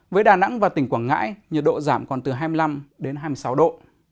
và tỉnh quảng ngãi nhiệt độ giảm còn từ hai mươi năm đến hai mươi sáu độ